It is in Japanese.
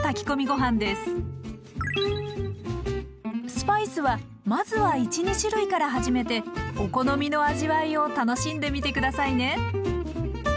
スパイスはまずは１２種類から始めてお好みの味わいを楽しんでみて下さいね。